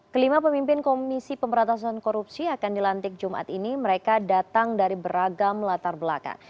kelima pemimpin komisi pemberantasan korupsi akan dilantik jumat ini mereka datang dari beragam latar belakang